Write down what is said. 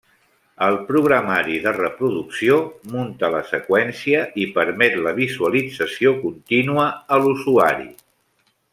El programari de reproducció munta la seqüència i permet la visualització continua a l'usuari.